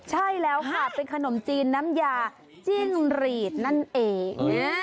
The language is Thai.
ใช่แล้วค่ะเป็นขนมจีนน้ำยาจิ้งหรีดนั่นเอง